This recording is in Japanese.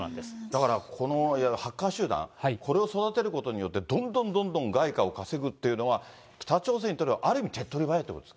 だからこのハッカー集団、これを育てることによって、どんどんどんどん外貨を稼ぐっていうのは、北朝鮮にとってはある意味、手っ取り早いということ？